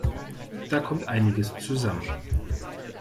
Da kommt einiges zusammen.